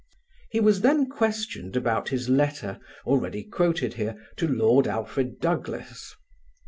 He was then questioned about his letter (already quoted here) to Lord Alfred Douglas.